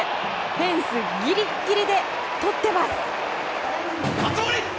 フェンスぎりぎりでとってます。